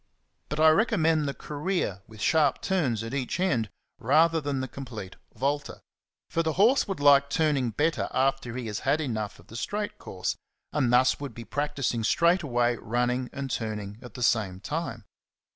But I recommend the Career with sharp turns at each end rather than the complete Volte ; for the horse would like turning better after he has had enough of the straight course, and thus would be practising straight away running and turning at the same time.